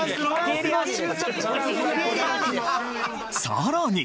さらに！